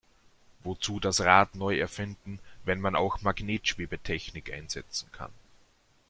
Wozu das Rad neu erfinden, wenn man auch Magnetschwebetechnik einsetzen kann?